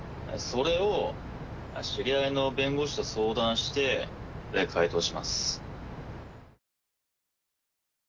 それを知り合いの弁護士と相談して、回答します。